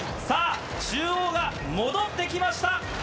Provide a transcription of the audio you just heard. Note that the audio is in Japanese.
中央が戻って来ました。